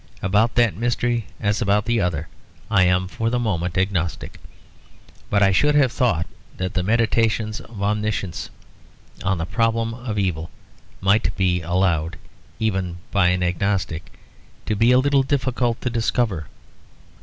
About that mystery as about the other I am for the moment agnostic; but I should have thought that the meditations of Omniscience on the problem of evil might be allowed, even by an agnostic, to be a little difficult to discover.